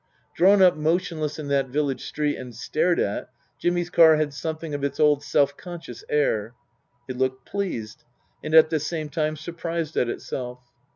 Drawn up motionless in that village street and stared at, Jimmy's car had something of its old self conscious air. It looked pleased, and at the same time surprised at itself.